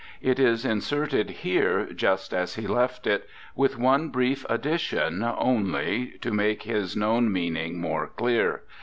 It is inserted here just as he left it, with one brief addition only to make his known meaning more clear.